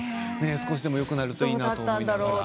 少しでもよくなるといいなと思いながら。